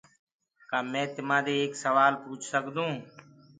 ڪآ مينٚ تمآ دي ايڪ سوآل پوڇ سڪدو هونٚ؟